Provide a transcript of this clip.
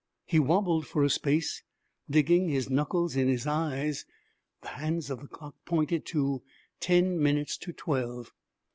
He wobbled for a space, digging his knuckles in his eyes. The hands of the clock pointed to ten minutes to twelve.